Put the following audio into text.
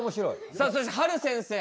さあそしてはる先生。